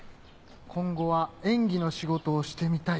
「今後は演技の仕事をしてみたい。